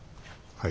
はい。